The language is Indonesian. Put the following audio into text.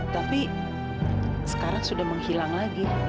tapi sekarang sudah menghilang lagi